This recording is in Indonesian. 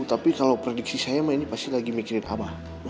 tapi kalau prediksi saya ini pasti lagi mikirin abah